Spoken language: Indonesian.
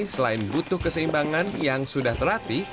selain butuh keseimbangan yang sudah terlatih